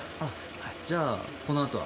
じゃあこのあとは？